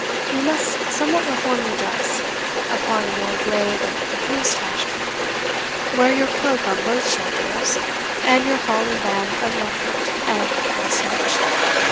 You must somewhat reform your dress, upon a more grave and composed fashion; wear your cloak on both shoulders, and your falling band unrumpled and well starched.